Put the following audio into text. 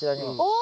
お！